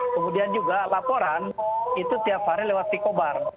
kemudian juga laporan itu tiap hari lewat pikobar